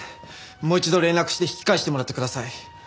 もう一度連絡して引き返してもらってください。